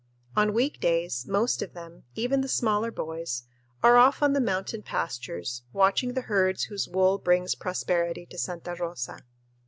On week days, most of them, even the smaller boys, are off on the mountain pastures, watching the herds whose wool brings prosperity to Santa Rosa.